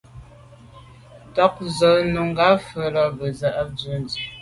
Tɔ̌ ngɔ́ nùngà mfɛ̀n lá bə́ zə̄ à’ bə́ á dʉ̀’ nsí.